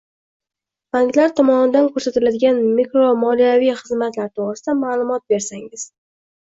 Banklar tomonidan ko‘rsatiladigan mikromoliyaviy xizmatlar to‘g‘risida ma’lumot bersangiz?